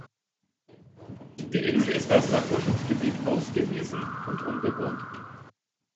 Die Insel ist als Naturschutzgebiet ausgewiesen und unbewohnt.